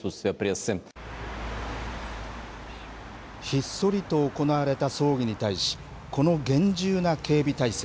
ひっそりと行われた葬儀に対し、この厳重な警備体制。